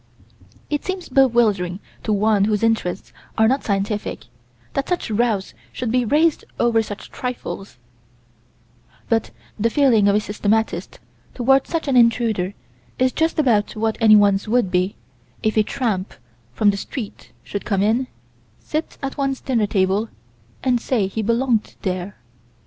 It seems bewildering to one whose interests are not scientific that such rows should be raised over such trifles: but the feeling of a systematist toward such an intruder is just about what anyone's would be if a tramp from the street should come in, sit at one's dinner table, and say he belonged there.